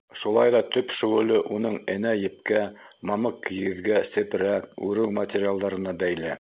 Шулай ҙа төп шөғөлө уның энә-епкә, мамыҡ-кейеҙгә, сепрәк, үреү материалдарына бәйле.